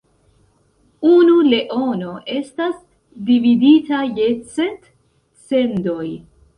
Unu leono estas dividita je cent "cendoj".